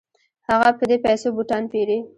هغه په دې پیسو بوټان پيري.